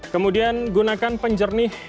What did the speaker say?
kemudian gunakan penjernih